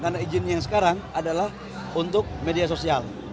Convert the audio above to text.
karena izin yang sekarang adalah untuk media sosial